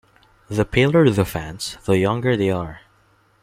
The paler the fans, the younger they are.